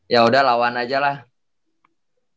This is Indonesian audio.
ya udah lawan aja ya kan